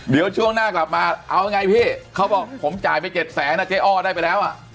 เดี๋ยวช่วงหน้ากลับมาเอาไงพี่เขาบอกผมจ่ายไป๗แสนเจ๊อ้อได้ไปแล้ว